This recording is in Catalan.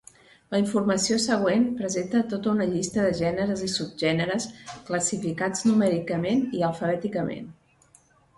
La informació següent presenta tota una llista de gèneres i subgèneres classificats numèricament i alfabèticament.